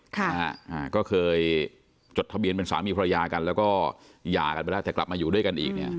ก็เคยจดทะเบียนเป็นสามีพระยากันแล้วก็ยากันไปแล้วแต่กลับมาอยู่ด้วยกันอีก